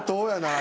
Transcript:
あ！